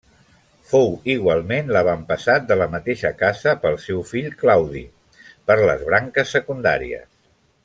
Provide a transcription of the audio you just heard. Fou igualment l'avantpassat de la mateixa casa pel seu fill Claudi, per les branques secundàries.